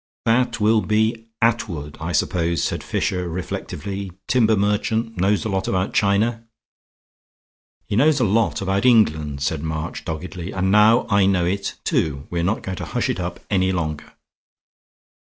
"That will be Attwood, I suppose," said Fisher, reflectively. "Timber merchant. Knows a lot about China." "He knows a lot about England," said March, doggedly, "and now I know it, too, we're not going to hush it up any longer.